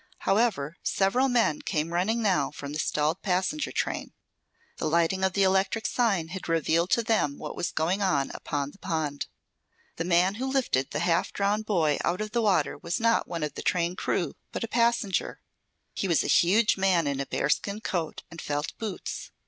However, several men came running now from the stalled passenger train. The lighting of the electric sign had revealed to them what was going on upon the pond. The man who lifted the half drowned boy out of the water was not one of the train crew, but a passenger. He was a huge man in a bearskin coat and felt boots.